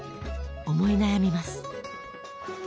思い悩みます。